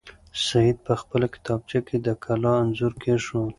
سعید په خپله کتابچه کې د کلا انځور کېښود.